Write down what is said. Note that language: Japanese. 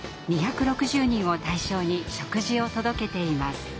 ２６０人を対象に食事を届けています。